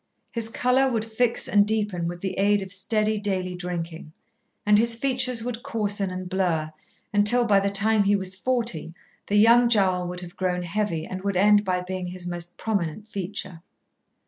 His colour would fix and deepen with the aid of steady daily drinking, and his features would coarsen and blur, until by the time he was forty the young jowl would have grown heavy and would end by being his most prominent feature.